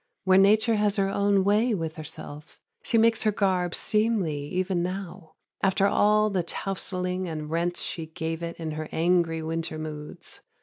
Where nature has her own way with herself, she makes her garb seemly even now, after all the tousling and rents she gave it in her angry winter moods.